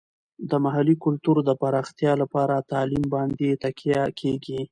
د محلي کلتور د پراختیا لپاره تعلیم باندې تکیه کیږي.